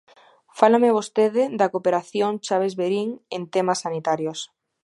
Fálame vostede da cooperación Chaves-Verín en temas sanitarios.